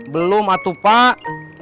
belum atu pak